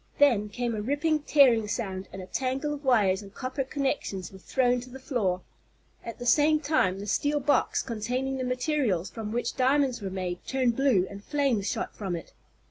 Then came a ripping, tearing sound, and a tangle of wires and copper connections were thrown to the floor. At the same time the steel box, containing the materials from which diamonds were made, turned blue, and flames shot from it.